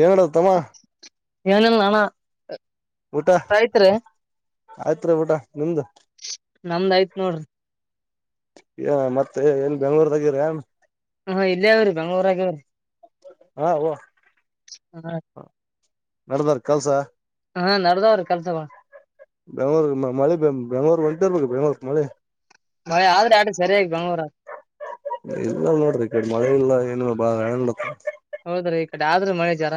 ಹೇಳೋ ತಮ್ಮಾ ಏನಿಲ್ಲ ಅಣ. ಊಟ ಆಯ್ತ್ರಿ ಊಟ ನಿಮ್ದು. ನಮ್ದ್ ಆಯ್ತ್ ನೋಡ್ರಿ ಏ ಮತ್ತೆ ಎಲ್ಲ ಬೆಂಗಳೂರದಾಗ ಇರ ಏನ್ ಹ ಇಲ್ಲೇ ಅವ್ರಿ ಬೆಂಗಳೂರಾಗೆ ಅವ್ರೀ ಹಾ ಓ ಅಣ. ನಡದಾರ್ ಕೆಲ್ಸ. ಹಾ ನಡದವ್ರಿ ಕೆಲ್ಸಗೋಳ್ ಬೆಂಗ್ಳೂರ್ ಮ ಮಳೆ ಬೆ ಬೆಂಗ್ಳೂರ್ ಹೊಯ್ತಿರ್ಬೇಕು ಬೆಂಗ್ಳೂರ್ಕ್ ಮಳೆ. ಮಯ್ ಆದ್ರೆ ಆಟ ಸರಿಯಾಗಿ ಬಂಗ್ಳೂರ. ಇಲ್ಲ ನೋಡ್ರಿ ಈ ಕಡ್ ಮಳೆ ಇಲ್ಲ ಏನು ಬಾಳ [unintelligible] ಹೌದ್ರಿ ಈ ಕಡೆ ಆದ್ರೂ ಮಳೆ ಜರ.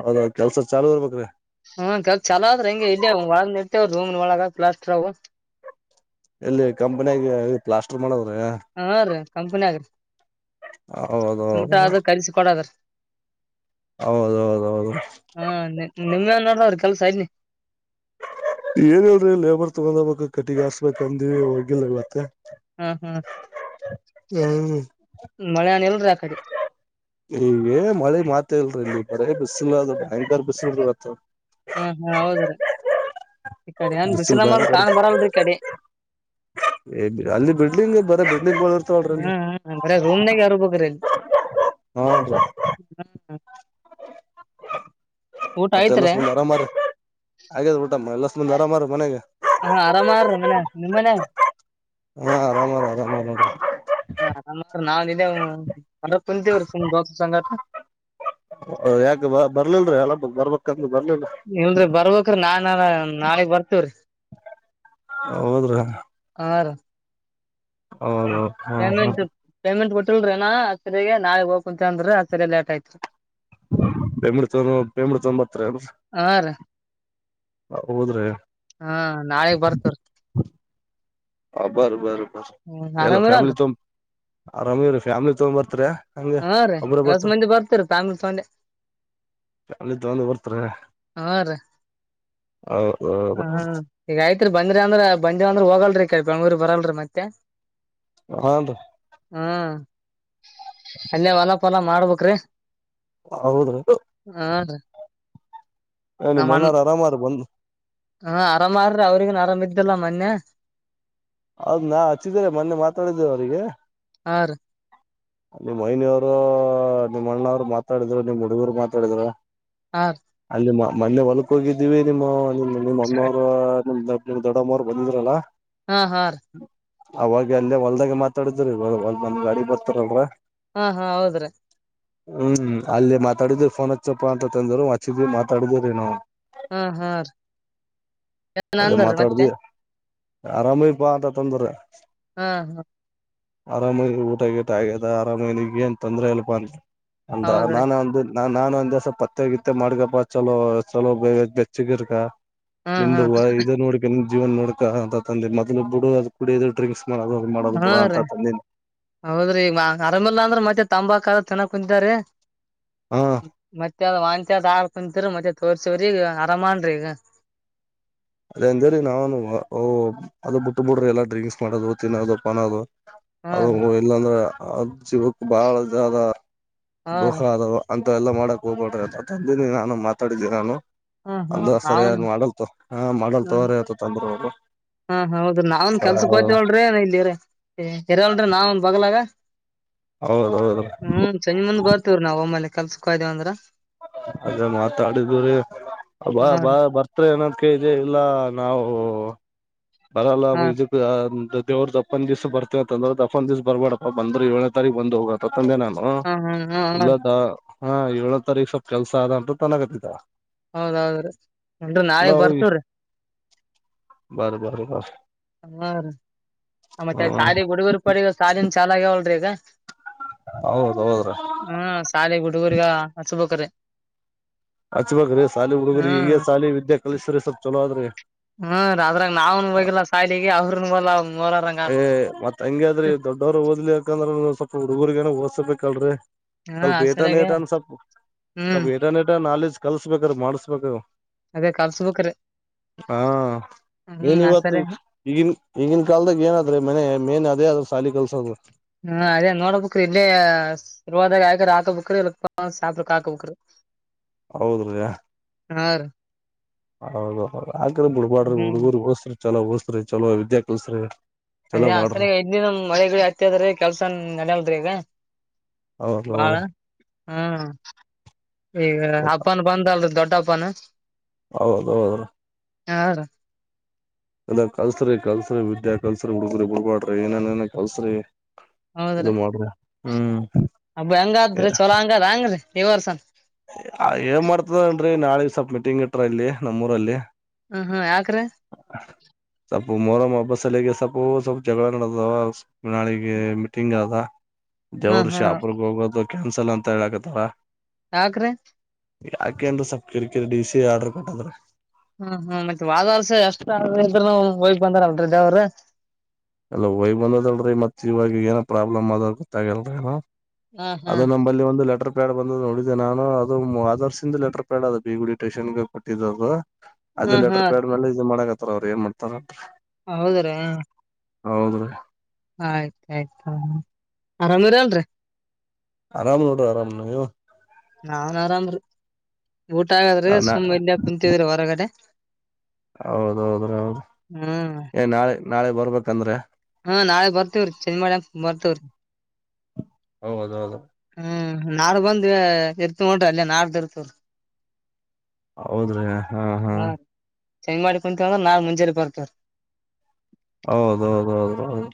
ಹೌದ ಕೆಲ್ಸ ಚಾಲೂ ಇರ್ಬೇಕ್ರಿ ಹ್ಮ ಕಲ್ ಚಲೋ ಅದ್ರ್ ಹಂಗೆ ಒಳಗ್ ನಿಂತಾವ್ ರೂಮ್ ನೊಳಗ ಪ್ಲಾಸ್ಟರ್ ಅವು. ಇಲ್ಲಿ ಕಂಪನಿಯಾಗ ಪ್ಲಾಸ್ಟರ್ ಮಾಡದ ಹಾ ರೀ ಕಂಪನಿ ಆಗ್ರಿ ಹೌದು ಸುಂಟ ಆದ ಕಲಸಿ ಕೊಡದ್ರಿ. ಹೌದೌದೌದು ಹಾ ನಿಮ್ ಏನ್ ನೋಡ ಅವ್ರಿಗ್ ಕೆಲ್ಸ ಅದ್ನಿ. ಏನ್ ಹೇಳ್ರಿ ಲೇಬರ್ ತಗೊಂಡಬೇಕ್ ಕಟ್ಟಿಗ ಹಾಸ್ಬೇಕ ಅಂದಿವಿ ಹೋಗಿಲ್ಲ ಇವತ್ತ. ಹ್ಮ ಹ್ಮ್ ಹ್ಮ್ ಮಳೆನ್ ಇಲ್ರಿ ಆ ಕಡೆ ಈಗ ಮಳೆ ಮಾತ ಇಲ್ರಿ ನೀ ಬರೇ ಬಿಸಿಲ ಅದು ಭಯಂಕರ ಬಿಸಿಲ್ರಿವತ್ತ. ಹಾ ಹಾ ಹೌದ್ರೀ ಈ ಕಡೆ ನ್ ಬಿಸಿಲು ಬಿಸಿಲನ್ನ ಕಾಣ ಭಯಂಕರ ಬರಲ್ರಿ ಈ ಕಡೆ ಅಲ್ಲಿ ಬಿಡ್ಲಿಂಗ್ ಬರ ಬಿಡ್ಲಿಂಗ್ ಗಳು ಇರ್ತವಲ್ರಿ ಅಲ್ಲಿ ಹ್ಮ ಬರ ರೂಮ್ನಾಗಾ ಇರಬೇಕ್ರಿಲ್ಲಿ. ಹಾ ಮತ್ತೆ ಎಲ್ಲಸ್ ಬಂದ್ ಮರಾಮಾರಿ ಆಗ್ಯದ್ ಊ ಎಲ್ಲಷ್ಟಂದ ಆರಾಮಾರ ಮನೆಗೆ. ಹಾ ಅರಾಮಾರ ಮನ ನಿಮ್ ಮನ್ಯಾಗ್. ಹಾ ಆರಾಮ ರ ಆರಾಮ ರ ನೋಡ್ರಿ. [unintelligible] ಅದ ಕುಂತಿವ್ರಿ ಸುಮ್ ಬಸ್ ಸಂಘಟ. ಬರ್ಬಕೇನ್ ಇಲ್ರಿ ಬರ್ಬೇಕ್ರ ನಾನನ. ನಾಳಿಗ್ ಬರ್ತಿವ್ರಿ. ಹೌದ್ರಿ ಅ ಆರ. ಹೌದ ಹ ಹಾ ಹಾ ಪೇಮೆಂಟ್ ಪೇಮೆಂಟ್ ಕೊಟ್ಟ್ ತಿಳ್ರೇನಾ ಆತ್ರಿರಿಗೆ ನಾಳಗ್ ಹೋಗ್ ಅಂತ ಅಂದ್ರ ಆ ಸರಿ ಲೇಟ್ ಆಯ್ತು. ಬೆಂಬಡ್ ಚ ಪೇಮಡ್ ತನ್ಂಬತ್ರ ಅಲ್ ಹಾ ರೀ ಅ ಹೋದ್ರೆ. ಹಾ ನಾಳೆಗ್ ಬರ್ತರ್. ಹಾ ಬರ ಬರ್. ಹ್ಮ್ ಎಲ್ಲ ಫ್ಯಾಮಿಲಿ ಆರಾಮಿರಲ್ರಿ ತೋಮ್ ಆರಾಮ ರೀ ಫ್ಯಾಮಿಲಿ. ಹತ್ತೊಂಬತ್ರೆ. ಹಾ ರೀ ಏಸ್ ಮಂದಿ ಬರ್ತೀರಿ ಫ್ಯಾಮಿಲಿ ತೊಂಡೆ ಫ್ಯಾಮಿಲಿ ತಗೊಂಡ್ ಬರ್ತಾರ ಹಾ ರೀ. ಹ ಈಗ ಆಯ್ತ್ರಿ ಬಂದ್ರಿ ಅಂದ್ರ ಬಂದೇವ್ ಅಂದ್ರ ಹೋಗಲ್ದ್ ಕ್ಕೆ ಬೆಂಗ್ಳೂರಿಗ್ ಬರಲ್ರಿ ಮತ್ತೆ. ಆನ್ದು. ಹ್ಮ್. ಅಲ್ಲೇ ಹೊಲ ಪಲ ಮಾಡ್ಬೇಕ್. ಕ್ರೆ. ಹೌದು. ಹ ನೀ ನಮ್ ಅಣ್ ಮಣ್ಣಾರ ಆರಾಮರ ಬಂದು. ಹಾ ಆರಾಮ ಆದ್ರಿ ಅವ್ರಿಗನ್ ಆರಾಮ ಇದ್ದಲ್ಲ ಮೊನ್ನೆ. ಹೌದ್ ನಾ ಹಚ್ಚಿದ್ದೀರ ಮೊನ್ನೆ ಮಾತಾಡಿದ್ದೇವ ಅವರಿಗೆ. ಆ ರಿ. ನಿಮ್ಮ್ ಅಯ್ನೋರೋ ನಿಮ್ಮ್ ಅಣ್ಣವ್ರು ಮಾತಾಡಿದ್ರು ನಿಮ್ಮ್ ಹುಡುಗುರ್ ಮಾತಾಡಿದ್ರು. ಹಾ ರೀ ಅಲ್ಲಿ ಅ ಮೊನ್ನೆ ಹೊಲ್ಕ್ ಹೋಗಿದ್ದೀವಿ ನಿಮ್ಮ ಅನ್ ನಿಮ್ ನಿಮ್ ಮಮ್ಮೋರೋ ನಿಮ್ಕ್ ನಿಮ್ ದೊಡ್ಡಮ್ಮೋರ್ ಬಂದಿದ್ರಲ್ಲಾ. ಹಾ ಹಾ ಅವಾಗ ಅಲ್ಲೇ ಹೊಲ್ದಾಗೆ ಮಾತಾಡಿದ್ರಿಂದ್ ಗಾಡಿ ಬರ್ತಾರಲ್ರ ಹಾ ಹಾ ಹೌದ್ರೀ ಹ್ಮ್ ಅಲ್ಲಿ ಮಾತಾಡಿದೀರಿ ಫೋನ್ ಹಚ್ಚಪ್ಪ ಅಂತ ತಂದ್ರು ಹಚ್ಚಿದವಿ ಮಾತಾಡಿದಿರಿ ನಾವು ಹ್ಮ ಹ್ಮ ನಾನ್ ಬರ ಮತ್ತೆ ಆರಾಮೇಪ್ಪ ಅಂತಾ ತೊಂದ್ರ ಹ್ಮ ಹಾ ಅರಾಮೈನ ಊಟ ಗಿಟ ಆಗ್ಯದ ಅರಾಮೈನಿಗೆ ಏನ್ ತೊಂದ್ರೆ ಅಲ್ಪ ಅಂತ ಅಂದ ಹೌದ್ರಿ ನಾನ ಒಂದು ನಾ ನಾನನ್ ಒಂದ್ ದಿವ್ಸ ಪತ್ತೆಗಿತ್ತ ಮಾಡ್ಕಪ್ಪ ಚಲೋ ಚಲೋ ಬೆಚ್ಚಗಿರ್ಕಾ ಹಾ ಹಾ ಇದು ನೋಡ್ ಜೀವನ್ ನೋಡ್ಕ ತಂದೆ ಮೊದಲು ಬಿಡು ಅದು ಕುಡಿಯ ್ರಂಸ್ [unintelligible] ಹಾ ರೀ ಹೌದ್ರಿ ಈಗ ಅರಮಲ್ಲ ಅಂದ್ರೆ ಮತ್ತೆ ತಂಬಾಕ ಚೆನ್ನಗ್ ಕುಂಜಾರೆ ಹಾ ಮತ್ತೆ ವಂ ಮತ್ತ ಸಾರ್ ಕುಂತಿರ್ ಮತ್ತೆ ತೋರ್ಸವ್ರಿ ಈಗ ಆರಾಮನ್ ರೀ ಈಗ ಅದೇ ಅಂದಿ ನಾವನು ಅದದು ಬಿಟ್ಟ ಬಿಡ್ರಿ ಎಲ್ಲಾ ಡ್ರಿಂಕ್ಸ್ ಮಾಡೋದು ತಿನ್ನೋದು ಪಾನದು ಹಾ ಅದು ರೀ ಇಲ್ಲಾಂದ್ರೆ [inaudible] [inaudible] ಹಾ ರೀ [unintelligible] ಅದೆಲ್ಲ ಮಾಡಕ್ ಹೋಗ್ಬೇಡ್ರ ಅ ತಂದನಿ ನಾನು ಮಾತಾಡಿದ್ದಿನಿ ನಾನು ಹ್ಮ್ ಹ್ಮ್ ಅನ್ನ ನಾವನ್ ಸರಿಯಾಗಿ ಮಾಡಲ್ತ ಹಾ ಮಾಡಲ್ ಹ್ಮ್ ತೋರ ಆತ ತಂದ್ರ ಅದು ಹಾ ಹೌದು ನಾವನ್ ಕೆಲ್ಸಕ್ ಹೋಯಿತಿವಾಲ್ ರೀ ಇಲ್ಲಿ ಇರಲ್ರೀ ನಾವಂದ ಬಗ್ಲಾಗ ಹೌದೌದು ಹ್ಮ್ ಸಂಜಿ ಮುಂದ ಬರ್ತೀವ್ ನಾವ ಆಮಲೆ ಕೆಲಸಕ್ಕೆ ಹೋಯಿತಿವಂದ್ರ ಅದೇ ಮಾತಾಡಿದಿವು ರೀ ಬಾ ಹಾ ರೀ ಬಾ ಬರ್ತ್ ಬರ್ತೀಯೋ ಏನೋ ಕೇಳ್ದಿ ಇಲ್ಲ ನಾವು ಹಾ ರೀ [unintelligible] [inaudible] ದೇವ್ದ ದಪ್ಪ ದ್ ದಿವಸ್ ಬರ್ತವ ಅಂದ್ರೆ ದಪ್ಪನ್ ದಿವಸ ಬರ್ಬೇಡಪ್ಪ ಬಂದ್ರ ಏಳನೇ ತಾರೀ ಬಂದು ಹೋಗ ಅಂದೇ ನಾನು ಹಾ ಹಾ ಹಾ ಹಾ ರೀ ಇಲ್ಲದ. ಹಾಂ ಏಳನೆ ತಾರೀಕು ಸ್ವಪ್ ಕೆಸ ಅದ ಅಂತ ತನಕತ್ತಿದ ಹೌದ್ ಹೌದ್ರಿ ನಾಳೆಗ್ ಬರ್ತವ್ರೀ [inaudible] ಹಾ ರೀ ಆ ಮತ್ತೆ ಹ್ಮ್ ಶಾಲ ಹುಡುಗರ ಪಡಿಗ ಶಾಲ ಚಾಲಾಗಲ್ರೀ ಇದ [inaudible] ಹೌದ್ ಹೌದ್ರ ಹ್ಮ ಶಾಲೆ ಗುಡುಗುರ್ಗ ಹಚ್ಬೇಕ್ರ ಅಚ್ ಬಾಗ್ರೀ ಶಾಲಿ ಹುಡುಗ್ರಿ ಹ್ಮ್ ಈಗ ಶಾಲಿ ವಿದ್ಯಾ ಕಲಿಸ್ರರಿ ಸ್ವಲ್ ಚಲೋ ಆದ್ರಿ ಹ್ಮ ಅದ್ರಾಗ ನಾವ್ನ್ ಹೋಗಲ್ಲ ಸಾಲಿಗೆ ಅವ್ರ ಒಲ್ಲ ಏ ಮತ್ ಹಂಗ್ಯಾದ್ರಿ ದೊಡ್ಡವರು ಓದ್ಲಿ ಯಾಕಂದ್ರ ಸ್ವಲ್ಪ ಹುಡುರ್ಗೇನ ಓದ್ಸ್ಬೇಕಲ್ರರಿ ಹ್ಮ ಸ್ವಲ್ಪ ಆ ಏಟನ್ ಸರಿಯಾಗ ಟ ಸ್ವಲ್ಪ ಸ್ವಲ್ಪ ಹ್ಮ್ ಏಟ ಏಟ ನಾಲೇಜ್ ಕಲ್ಸ್ಬೇಕ್ರ ಮಾಡಸ್ಬೇಕ ಅದೇ ಕಲ್ಸ್ಬೇಕ್ರಿ ಹಾ ಹ್ಮ್ ಏನ್ ಆ ಇವತ್ತು ಸರಿ ಈಗಿನ ಈಗಿನ ಕಾಲದ ಏನಾದ್ರೆ ಮನೆ ಮೇನ್ ಅದೇ ಅ ಸಾಲಿ ಕೆಲ್ಸೋದು. ಹ್ಮ ಅದೇ ನೋಡ್ಬಕ್ ಇಲ್ಲೇ ಶುರ್ವಾದಾಗ ಆಕ್ರ ಹಾಕಬಕ್ ಇ ಶಪ್ರಕ್ ಹಾಕಬಕರಿ. ಹೌದ್ರೀಯ. ಹಾ ರೀ. ಹೌದೌದು ಆಬಿಡ್ಬಾರ ಹ್ಮ್ ಹುಡುಗುರು ಹಓಸ್ರ ಚಲೋ- ಚಲೋ ವಿದ್ಯಾ ಕಳ್ಸಿರಿ. [unintelligible] ಹತ್ಯಾದ್ರಿ ಕೆಲ್ಸ ನಡಲ್ದ್ರಿ ಈಗ ಹೌದ ಬಾಳ. ಹೌದ್ರಿ ಹ್ಮ್. ಈಗ ಅಬ್ನ ಬಂದ ಅಲ್ ದೊಡ್ಡ. [unintelligible] ಹೌದೌದು. ಹ. ಎಲ್ಲ ಕಲ್ಸ್ರಿ ಕಲ್ಸ್ರಿ ವಿದ್ಯಾ ಕಲ್ಸ್ರಿ ಹುಡುಗ್ರಿ ಬಿುಡ್ಬಾಡ್ರಿ ಏನೇನ್ ಏನ ಕಲ್ಸ್ರಿ. ಹೌದ್ರಿ ಇದು ಮಾಡ್ರ ಹ್ಮ್. ಹಂಗಾದ್ರೀ ಚೊಲ ಹಂಗದ ಹಂಗ್ರೀ. ಈ ಹೊರ್ಸನ್. ಇ ನಾಳಗ್ ಸ್ವಲ್ ಮೀಟಿಂಗ್ ಇಟ್ರ ಇಲ್ಲಿ ನಮ್ಮೂರಲ್ಲಿ. ಹ್ಮ್ ಹ್ಮ್ ಯಾಕ್ರೀ. ಮೊರಮ್ಮ ಹಬ್ಬ ಸಲಗೆ ಸ್ವಪ ಸ್ವಲ್ಪ್ ಜಗಳ ನಡೆದಾವ ನಾಳಿಗೆ ಮೀಟಿಂಗ್ ಆದ. ಹ್ಮ್ ದೇವರು ಹ್ಮ್ ಶಾಪರ್ಕ್ಕೆ ಹೋಗೋದು. ಕ್ಯಾನ್ಸಲ್ ಅಂತ ಹೇಳಾಕತ್ತಾಳ ಯಾಕ್ರಿ ಯಾಕೆದ್ರೆ ಸ್ವಪ್ ಕಿರಿಕಿರಿ ಡಿ ಸಿ ಆರ್ಡರ್ ಕೊಟ್ಟಾದರ. ಹ್ಮ್ ಹ್ಮ್ ಮತ್ತೆ ಹೋದ ವರ್ಸ ಎಷ್ಟ ಅನ್ರಿ ಇದ್ದರು ಹೋಗ್ ಬಂದಾರಲ್ರೀ ದೇವ್ರ. ಎಲ್ಲ ವಯ್ ಬಂದದಲ್ರರಿ ಮತ್ ಇವಾಗ ಏನ ಪ್ರಾಬ್ಲಮ್ ಆದಗೊತ್ತಾಗಲ್ಲನ್. [unintelligible] ಹ್ಮ್ ಹ್ಮ್ ಅದು ನಂಬಲ್ಲಿ ಒಂದು ಲೆಟರ್ ಬೇಡ ಬಂದ ನೋಡಿದೆ ನಾನು ಅದು ಹೊದರ್ಸಿಂದ ಲೆಟರ್ ಪ್ಯಾಡ ಅದ ಬೀಗುಡಿ ಟೇಷನ್ ಕೊಟ್ಟಿದ್ದದು. ಅದೇ ಹ್ಮ್ ಲೆಟರ್ ಹ್ಮ್ ಪ್ಯಾಡ್ ಮೇಲೆ ಇದು ಮಾಡ ಅವ್ರ ಏನ್ ಮಾಡ್ತಾರ. ಹೌದ್ರೀ. ಹಾ ಹೌದ್ರೀ. ಆಯ್ತಾಆಯ್ತ ಆರಾಮ ಇರಲ್ರಿ. ಆರಾಮ್ ನೋಡ ಆರಾಮ್ನ ನೀವು ನಾವ್ನ್ ಆರಾಮ್ರಿ ಊಟ ಆಗಾದ್ರೆ ಸುಮ್ಮ್ ಇಲ್ಲೆ ಕುಂತೀವರಿ ಹೊರಗಡೆ. ಹೌದೌದ ಹೌದು ಏ ನಾಳೆ ನಾಳೆ ಬರ್ಬೇಕಂದ್ರೆ. ಹಾ ನಾಳೆ ಬರ್ತವ್ರಿ ಚೇಜ್ ಮಾಡ್ಯಾಕ್ ಬರ್ತವ್ರಿ. ಹೌದ ಹೌದು. ಹ್ಮ್ ನಾಳೆ ಬಂದ್ ಇರ್ತವಿ ನೋಡ್ರಿ ಅಲ್ಲಿ ನಾಡದ ಇರ್ತವ್ರ. ಹೌದ್ರಿ ಹಾ ಹಾ ಹ್ಮ್. ಚೆಂಜ್ ಮಾಡಿ ಕುಂತೀವಂದ್ರ ನಾಳೆ ಮುಂಜೆಲೆ ಬರ್ತೇವ ರಿ ಹೌದೌಹೌದೌಹೌದೌದು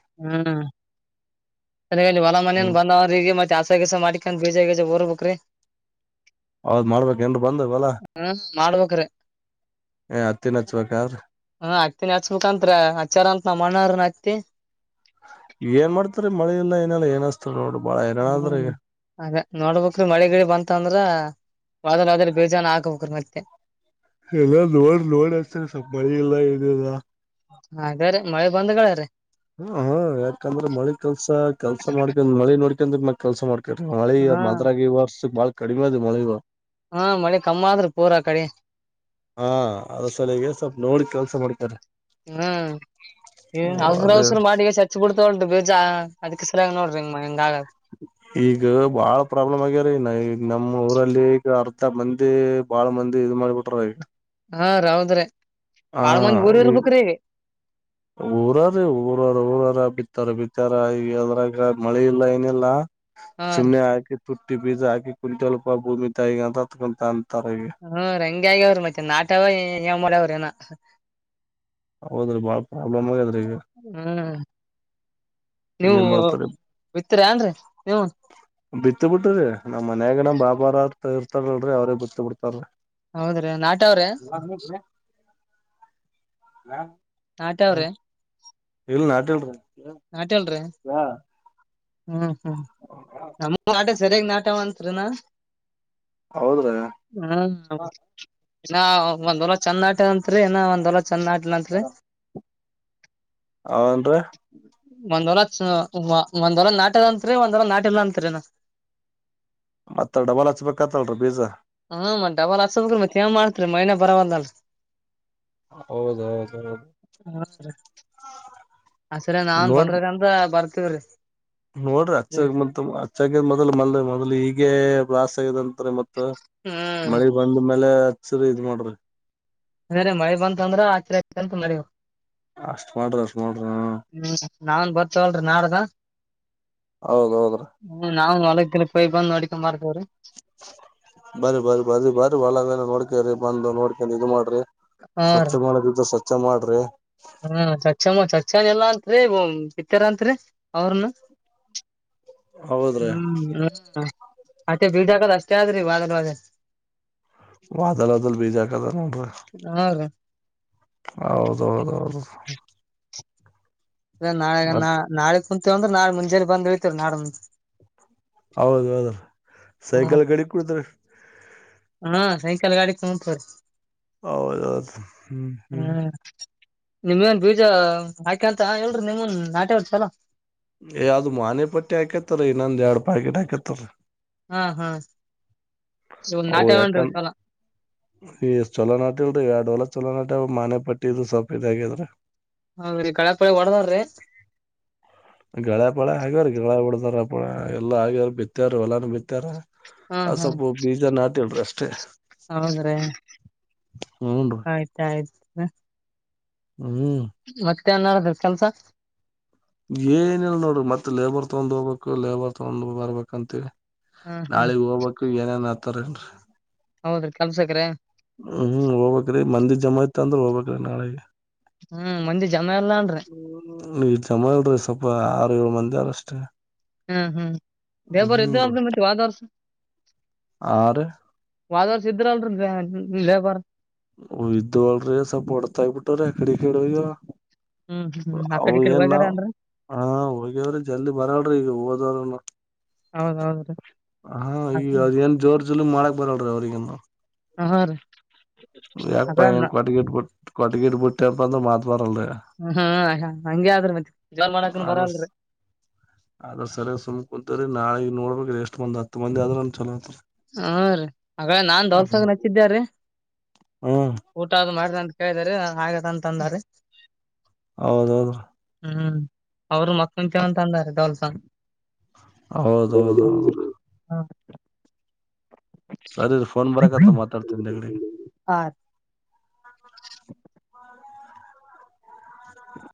ಅದರೆ ಇಲ್ಲಿ ಹೊಲ ಮನ ಬಂದವರಿಗೆೆ ಏನ ಮಾಡತಿ ಹಸಗಿಸ ಮಾಡ್ಕೊಂಡ್ ಬೀಜ ಗಿಜ್ ಊರಬೇಕರಿ ಹೌದ್ ಮಾಡ್ಬೇಕ ಏನ್ರ ಬಂದವ ಹೊಲ ಮಾಡ್ಬೇಕ್ರೆ ಹಚ್ಬೇಕ್ರಿ ಹ್ಮ ಹತ್ತಿನ ಹಚ್ಚಬೇಕಂತರ ಹಚಾರ ಅಂತ ನ ಮನರ್ ನೆತ್ತಿ ಏನ್ ಮಾಡ್ತಾರೆ ಮಳೆ ಇಲ್ಲ ಏನಲ್ಲ ಏನ್ ಹಚ್ತಾರೆ ನೋಡ್ ಹ್ಮ್ ಅದೇ ನೋಡ್ಬ್ರಿಕ್ರಿ ಮಳೆಗಿಳಿ ಬಂತ ಅಂದ್ರ ವದಲ್ ವಾದ ಬಿಜಾನು ಹಾಕಬೇಕರ್ ಮತ್ತೆ ಎಲ್ಲ ನೋಡ್ ನೋಡ ಹಚ್ಚತೀನಿ ಸ್ವಲ್ಪ ಮಳಿ ಇಲ್ಲ ಏನಿಲ್ಲ ಹ ಅದೇ ರೀ ಮಳೆ ಬಂದ್ಗಳ್ರೀ ಹ ಹಾ ಯಾಕಂದ್ರ ಮಳಿ ಕೆಲ್ಸಾ ಕೆಲ್ಸ ನೋಡ್ಕ ಮಳಿ ನೋಡ್ಕಂದ್ರ ಮ ಕೆಲ್ಸ ಮಾಡ ಮಳಿ ಹಾ ಮದ್ರಾಗಿ ಈ ವರ್ಷಳ ಕಡಿಮೆ ಅದು ಮೊಳೆುವ [unintelligible] ಹಾ ಮಳಿ ಕಮ್ಮ ಆದ್ರಿ ಪೂರಾ ಅಕಡಿ. ಹಾ ಅದ್ರ ಸಲಿಗೆ ಸ್ವಲ್ಪ ನೋಡಿ ಕೆಲ್ಸ ಮಾಡ್ತಾರೆ ಹ್ಮ್ ಔಸ್ರ ಅದೇ ಔಸರ ಮಾಡಿಗೆಸಿ ಹಚ್ ಬಿಡ್ತಾ ನೋಡ್ರಿ ಬೀಜಾ ಅದಕ್ಕೆ ಸಲ್ಯಾಗಿ ನೋಡ್ರಿಂಗ ಮನಿಂದ ಆಗ [unintelligible] ಈಗ ಬಾಳ ಪ್ರಾಬ್ಲಮ್ ಆಗ್ಯಾರ ಇನ್ನ ನಮ್ಮ್ ಊರಲ್ಲಿ ಈಗ ಅರ್ಧ ಮಂದಿ ಬಾಳ ಮಂದಿ ಇದ ಮಾಡ್ಬಿಟ್ರ ಈಗ. ಹಾ ರಿ ಹೌದ್ರಿ ಹಾ ಬಾಳ ಮಂದಿ ಊರ್ ಈ ಇರ್ಬೇಕ್ರಿ ಈಗ ಊರಾರ ಊರವಾರ ಊರವರ ಬಿ ತ್ತಾರ ಬಿತ್ತಾರ ಈಗ ಅದ್ರಾಗ ಮಳಿ ಇಲ್ಲ ಏನಿಲ್ಲ. ಹಾ ರೀ ಸುಮ್ನೆ ಹಾಕಿ ತುಟ್ಟಿ ಬೀಜ ಹಾಕಿ ಕುಂತೆಲಪ ಭೂಮಿ ತಾಯಿಗ ಅಂತತ್ಕೊಂತನ್. ಹ್ಮ ರಿ ಹಂಗೆ ಆಗ್ಯವ್ರಿ ಮತ್ತೆನ ನಾಟ್ಯಾವ ಮಾಡವ್ರ ಹೀನ. ಹ ಹೌದ್ರಿ ಬಾಳ ಪ್ರಾಬ್ಲಮ್ ಆಗ್ಯದ್ರಿ ಈಗ. ಹ್ಮ್ ನೀವು ಏನ್ ಮಾಡ್ತಾರ ಬಿತ್ತೀರ್ಯನ್ರಿ ನೀವು. ಬಿತ್ತ ಬಿಟ್ಟರಿ. ನಮ್ಮ ಮನ್ಯಾಗ ನಮ್ಮ ಬಾಬಾರ ಹಾರ. ಇರ್ತಾರಲ್ರಿ ಅವ್ರೇ ಬೀತ್ತ ಬಿಡ್ತಾರೀ. ಹೌದ್ರೀ ನಾಟ್ಯಾವ್ರೆ. ಹಾ ನಾಟ್ಯಾವ್ರೆ. ಇಲ್ ನಾಟಿಲರಿ ಹಿ ನಾಟಿಲ್ರಿ. ಹ್ಮ್ ಹ್ಮ್ ನಮ್ಮು ನಾಟಿ ಸರಿಯಗ್ ನಾಟ್ಯವಂತ. ತ್ರಿನಾ ಹೌದ್ರಿ ಹಾ ಹೀನ ಒಂದ್ ಹೋಲ ಚಂದ ನಾಟವಂತರಿ ರೀ ಹೀನ ಒಂದ್ ಹೊಲ. ಚಂದ ನಾಟಿಲಂತರಿ. ಅವುನ್ರಿ ಒಂದ ಹೂಲ ಚ ವ ಒಂದ್ ಹೂಲ ನಾಟ್ಯದ ಅಂತ್ರೀ ಒಂದ್ ಹೂಲ ನಾಟಿಲ್ಲ ಅಂತರಿನ. ಮತ್ತ ಡಬಲ್ ಹಚ್ಬೇಕತ್ತಲ್ರರಿ ಬೀಜಾ. ಹ್ಮ ಮತ್ತ ಡಬಲ್ ಹಸಬೇಕ್ರೀ ಮತ್ ಏನ್ ಮಾಡ್ತ್ರಿ ಮಳಿನೆ ಬರವಲ್ದಲ್ರಿ. ಹೌದೌದೌದು ಹ ಹ ಸರಿ ನಾನ್ ನೋಡ್ ಬಂದ್ರಕ್ಕಂತ ಬರ್ತ. [unintelligible] ನೋಡ್ರಿ ಅಚ್ಚಾಗಿ ಮತ್ ಅಚ್ಚಾಗ ಮೊದ್ ಮೊ ಮೊದ್ಲು ಈಗೆ ವಾಸ [unintelligible] ಮತ್ ಹ್ಮ್ ಮಳೆ ಬಂದ ಮೇಲೆ ಸರಿ ಮಾಡ್ರಿ. ಬೇರೆ ಮಳೆ ಬಂತ ಅಂದ್ರ ಹಚಂತ ಮಾಡಿವ. ಅಷ್ಟ್ ಮಾಡ್ರಿ ಅಷ್ಟ್ ಮಾಡ್ರಿ ಹ್ಮ್ ನಾವನ್ ಬರ್ತವಲ್ರಿ ನಾಡದ ಹೌದೌದ್ರಿ ಹ್ಮ ನಾವನ್ ಒಳಗ್. [unintelligible] ಬರಿ ಬರಿ ಬರಿ ಬರ ಒಳಲ್ಲ ನೋಡ್ ಬರೆ ಬಂದು ನೋಡ್ಕೊಂಡು ಇದು ಮಾಡ್ರಿ ಹಾ ಸ್ವಚ್ಛ ರೀ ಮಾಡುದ ಸ್ವಚ್ಛ ಸ್ವಚ ಮಾಡ್ರಿ. ಹ್ಮ್ ಸ್ಛಚ [unintelligible] ಎಲ್ಲಾ ಅತ್ರಿ ಬಿತ್ತಾರ ಅಂತ್ರಿ ಅವ್ರನು ಹೌದ್ರೀ ಹ್ಮ್ ಹ ಮತ್ತೆ ಬೀಜಾಕದ ಅಷ್ಟೇ ಆದ್ರಿ ವಾರದವಾಗ ವಾದಲದಲ್ಲಿ ಬೀಜ ಹಾಕದ ನೋಡ್ರಿ ಹ್ಮ ರೀ ಹೌದ ಹೌದ ಹೌದು ಹ ಅ ನಾಳೆ ನಾ ನಾಳೆ ಕುಂತ್ರೆ ನಾಳೆ ಮುಂಜಾನೆ ಬಂದ್ ವೈತಿವರಿ ನಾಡದ ಹೌದ ಹೌದ ಹ್ಮ ಸೈಕಲ್ ಗಡಿ ಕುದ್ ಹಾ ಸೈಕಲ್ ಗಾಡಿ ತಗೋತರಿ ಹೌದೌದು ಹ್ಮ್ ಹ್ಮ್ ನಿಮೇನ್ ಬೀಜ ಹಾಕಂತ ಇಲ್ ನಿಮನ್ ನಾಟೆ ಈ ಸಲ ಏ ಅ ಮಾನೆ ಪಟ್ಟಿ ಹಾಕೇತ್ತರಿ ಇನ್ನೊಂದ್ ಎರಡ್ ಪ್ಯಾಕೆಟ್ ಹಾಕತ್ತರಿ ಹಾ ಹಾ ಇವ್ ಓಂ ನಾಟ್ಯವೇನ್ರಿ ಎಕನ್ ಚಲೋ ಈ ಚಲೋನಾಟಿಲ್ಲರೀ ಎಡಹೋಲ್ಲ ಚಲೋನಾಟಿಲ ಮಾನೆ ಪಟ್ಟಿ ಇದು ಸ್ವಪ್ಪ ಇದು ಆಗೇದ್ರ. ಹೌದ್ರರಿ ಕಳೆಪಳಿ ಹೊಡದ್ರಿ ಗಳೆ ಪಳೆ ಆಗವರಿ ಗುರಳ ಹೋಡದ. ರ ಎಲ್ಲಾ ಆಗ್ಯಾರ ಬಿತ್ತಾರ ಹೊಲ್ಲಾನು ಬಿತ್ತಾರ ಆ ಸ್ವಲ್ಪ ಬೀಜ ನಾಟಿಲರೀ ಅಷ್ಟ ಷ್ಟೆ ಹೌದ್ರೆ ಹೂನ್ರಿ ಆಯ್ತ ಆಯ್ತ ಹ್ಮ್ ಅನದೆ ಕೆಲ್ಸ ಏನಿಲ್ಲ ನೋಡ್ರಿ ಮತ್ತತ್ ಲೇಬರ್ ತಗೊಂಡ್ ಹೋಗ್ಬೇಕು ಲೇಬರ್ ತಗೊಂಡ ಬರ್ಬೇಕಂತಿ ಹ್ಮ್ ಹ್ಮ್ ನಾಳೆಗ್ ಹೋಗ್ ಏನೇನ್ ತ್ತರನ್ ಹೌದ್ರಿ ಕಲ್ಸಕ್ರೆ ಹ್ಮ್ ಹ್ಮ್ ಹೋಗ್ಕ್ಮಂದಿ ಜಮಾ ಇತ್ ಅಂದ್ರ ಹೋಗಬಕ್ ನಾಳೆೆಗೆ ಹ್ಮ್ ಮಂದಿ ಜನ ಎಲ್ಲಾ ಅನ್ ಈ ಜಮ ಇಲ್ರಿ ಸ್ವಲ್ಪ ಆರು ಏಳು ಮಂದಿಾರಷ್ಟೇ ಹ್ಮ ಹ್ಮ ಬೇ ಬರು ಇದ್ದಮತ್ತೆ ವಾದ ವರ್ಸ [unintelligible] [inaudible] ಆರು ವದಾರ ಸಿದ್ಧಲ್ರಿ ಲೇಪರ್ ಹ ಇದ್ದ್ ಅಲ್ರಿ ಸ್ವಲ್ಪ ಹೊಡ್ತಾ ಇ್ ಬಿಿಟ್ಟ್ರೀ ಕಡೆ ಕಡ್ಯ ಹ್ಮ್ ಹ್ಮ್ ಅ ಆಕಡೆ ಈಕಡೆ ಹೋಗ್ಯಾರ ಏನ್ಾವ ಅನ್ರಿ ಹ ಹೋಗ್ಯವ್ರಿ ಜಲ್ದಿ ಬರಲ್ಿ ಈಗ ಹೋದವರು ಹೌದ್ ಹೌದ್ರಿ ಹ ಈಗ ಅದ ಏನ್ ಜೋರ್ ಜಲಿ ಮಾಡ ಬರಲ್ರರಿ ಅವ್ರಗನ್ನು ಹ ಹ ರೀ ಯಾಕ ಅದ ಏನ್ ಕೊಟ್ಟಗಿಡ್ ಬಿಟ್ಟ ಕೊಟ್ಟಗಿಡ್ ಬಿಟ್ಟಪ್ಪ ಅ್ರ ಮಾ ಹ ಹಾ ಹಂಗಗೆ ಆದ್ರರು ಮತ್ತೆ ಜೋರ್ ಮಾಡಕನ್ ಆದ ಬರಲ್ರಿ ಆದದ್ರ ಸರಿಯಾಗಿ ಸುಮ್ ಕುಂತ್ರೀ ನಾಳೆ ನೋಡ್ಬೇಕ ಇ ಎಷ್ಟು ಮಂದು ಹತ್ತು ಮಂದಿ ಆದ್ರರು ಚಲೋ ಹ ರೀ ಹಾಗಳ ನಾನ್ ದೋಲ್ಸಾಗ ನಚ್ಚಿದ್ದ್ರೀ ಹ್ಮ್ ಊಟ ಅ ಮಾಡ್ದ ಅಂತ ಕೇಳಿದ ರೀ ಹಾಗೆದ ಅಂತಂದಾರೆ ಹೌದೌದ್ರ ಹ್ಮ ಅವರು ಮತ್ತ ಮುಂಂತವಂತ ಅಂದಾರೆ ದವಲ್ಸ ಹೌದೌದೌದು ಹೌ ಸರಿ ಫೋನ್ ಬರಕತ್ತ ಮಾತಾಡ್ತನ್ ದಗಡೆಗೆ ಹಾ ಹ್ಮ